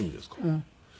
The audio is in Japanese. うん。